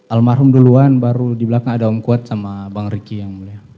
almarhum duluan baru di belakang ada om kuat sama bang riki yang mulia